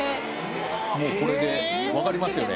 もうこれでわかりますよね